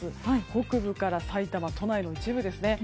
北部から埼玉都内の一部ですね。